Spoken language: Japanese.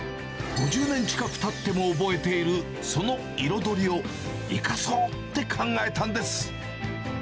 ５０年近くたっても覚えているその彩りを、生かそうって考えたんです。